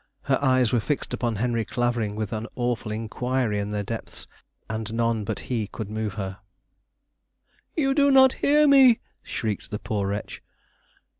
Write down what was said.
Her eyes were fixed upon Henry Clavering with an awful inquiry in their depths, and none but he could move her. "You do not hear me!" shrieked the poor wretch.